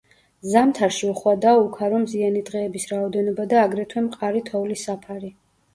ზამთარში უხვადაა უქარო მზიანი დღეების რაოდენობა, და აგრეთვე მყარი თოვლის საფარი.